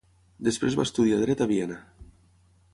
Després va estudiar dret a Viena.